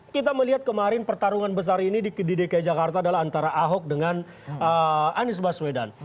kita melihat kemarin pertarungan besar ini di dki jakarta adalah antara ahok dengan anies baswedan